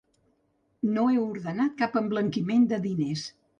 No he ordenat cap emblanquiment de diners.